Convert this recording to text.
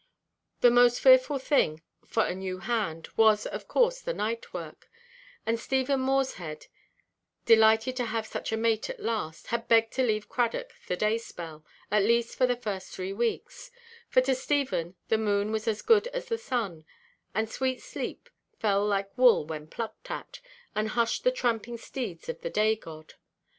The most fearful thing, for a new hand, was, of course, the night–work; and Stephen Morshead, delighted to have such a mate at last, had begged to leave Cradock the day–spell, at least for the first three weeks; for to Stephen the moon was as good as the sun, and sweet sleep fell like wool when plucked at, and hushed the tramping steeds of the day–god.